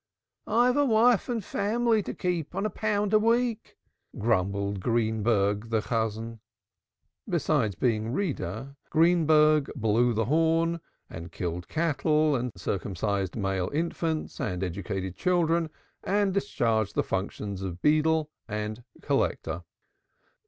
"I have a wife and family to keep on a pound a week," grumbled Greenberg the Chazan. Besides being Reader, Greenberg blew the horn and killed cattle and circumcised male infants and educated children and discharged the functions of beadle and collector.